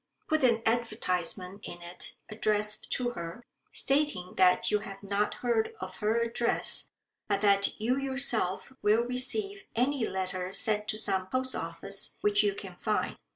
Put an advertisement in it addressed to her, stating that you have not heard of her address, but that you yourself will receive any letter sent to some post office which you can find.